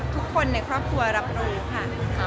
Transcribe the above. ทุกคนในครอบครัวรับรู้ค่ะ